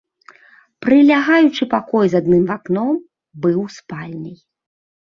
Прылягаючы пакой з адным акном быў спальняй.